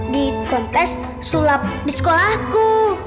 di kontes sulap di sekolahku